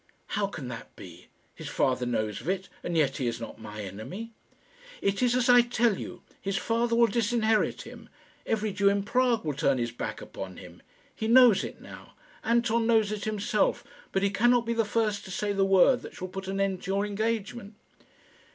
"How can that be? His father knows of it, and yet he is not my enemy." "It is as I tell you. His father will disinherit him. Every Jew in Prague will turn his back upon him. He knows it now. Anton knows it himself, but he cannot be the first to say the word that shall put an end to your engagement."